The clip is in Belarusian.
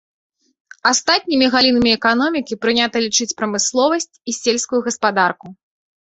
Астатнімі галінамі эканомікі прынята лічыць прамысловасць і сельскую гаспадарку.